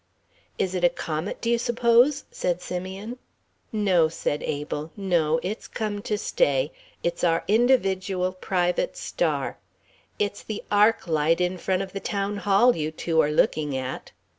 "Is it a comet, do you s'pose?" said Simeon. "No," said Abel, "no. It's come to stay. It's our individual private star. It's the arc light in front of the Town Hall you two are looking at."